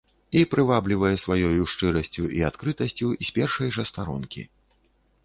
І прываблівае сваёю шчырасцю і адкрытасцю з першай жа старонкі.